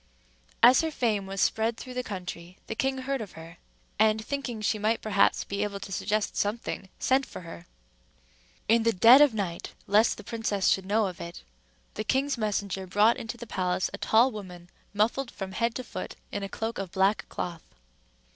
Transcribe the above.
As her fame was spread through all the country, the king heard of her; and, thinking she might perhaps be able to suggest something, sent for her. In the dead of the night, lest the princess should know it, the king's messenger brought into the palace a tall woman, muffled from head to foot in a cloak of black cloth.